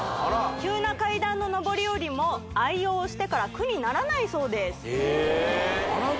急な階段ののぼりおりも愛用をしてから苦にならないそうですええ